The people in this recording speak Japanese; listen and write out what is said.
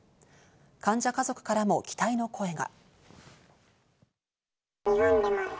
患者家族からも期待の声が。